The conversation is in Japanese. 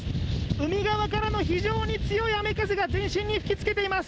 海側からの非常に強い雨風が全身に吹きつけています。